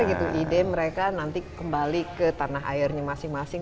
gitu ide mereka nanti kembali ke tanah airnya masing masing